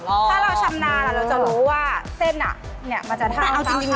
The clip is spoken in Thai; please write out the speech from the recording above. ถ้าเราชำนาล่ะเราจะรู้ว่าเส้นอ่ะเนี่ยมันจะเท่าเท่ากัน